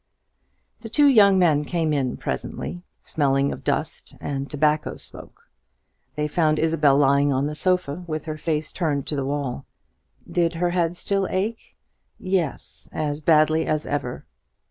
The two young men came in presently, smelling of dust and tobacco smoke. They found Isabel lying on the sofa, with her face turned to the wall. Did her head still ache? Yes, as badly as ever.